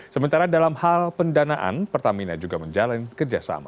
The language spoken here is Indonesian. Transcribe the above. sementara dalam hal pendanaan pertamina juga menjalin kerjasama